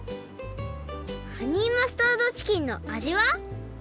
ハニーマスタードチキンの味は？